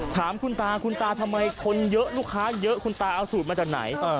ถามคุณตาคุณตาทำไมคนเยอะลูกค้าเยอะคุณตาเอาสูตรมาจากไหน